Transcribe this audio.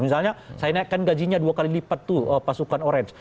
misalnya saya naikkan gajinya dua kali lipat tuh pasukan orange